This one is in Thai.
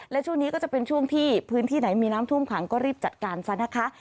และช่วงนี้ก็จะเป็นช่วงที่พื้นที่ไหนมีน้ำท่วมขังก็รีบจัดการซะนะคะ